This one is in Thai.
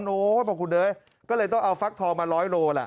โอ้โฮบอกว่าคุณเดย์ก็เลยต้องเอาฟลัคทอลมา๑๐๐โลกรัม